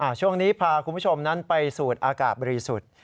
ช่วงนี้พาคุณผู้ชมนั้นไปสูดอากาศบริสุทธิ์